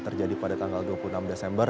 terjadi pada tanggal dua puluh enam desember